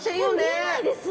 見えないです。